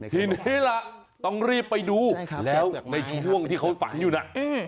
ทีนี้ล่ะต้องรีบไปดูแล้วในช่วงที่เขาฝันอยู่น่ะ